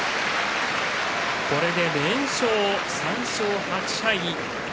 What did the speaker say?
これで連勝、３勝８敗。